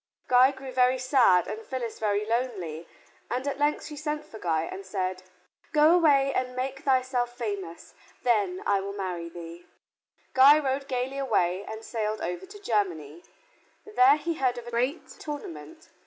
Guy grew very sad and Phyllis very lonely and at length she sent for Guy and said, "Go away and make thyself famous, then will I marry thee." Guy rode gaily away and sailed over to Germany. There he heard of a great tournament.